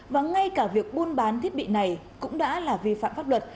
và ngay cả việc buôn bán thiết bị này cũng đã là vi phạm pháp luật